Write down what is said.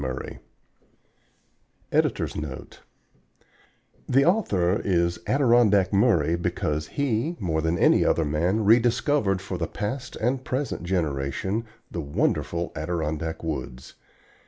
Murray_ _The author is "Adirondack Murray" because he, more than any other man, rediscovered for the past and present generation the wonderful Adirondack Woods.